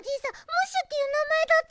ムッシュっていうなまえだった。